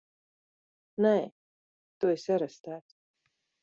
Nē! Tu esi arestēts!